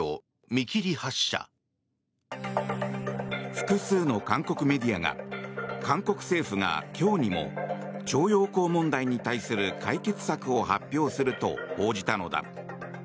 複数の韓国メディアが韓国政府が今日にも徴用工問題に対する解決策を発表すると報じたのだ。